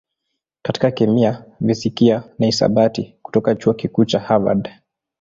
katika kemia, fizikia na hisabati kutoka Chuo Kikuu cha Harvard.